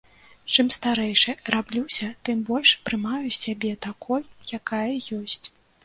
Чым старэйшай раблюся, тым больш прымаю сябе такой, якая ёсць.